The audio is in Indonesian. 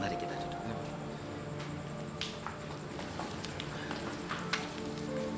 mari kita duduk